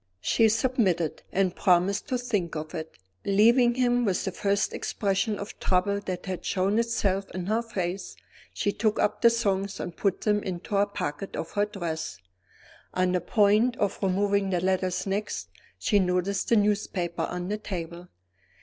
She submitted, and promised to think of it. Leaving him, with the first expression of trouble that had shown itself in her face, she took up the songs and put them into the pocket of her dress. On the point of removing the letters next, she noticed the newspaper on the table.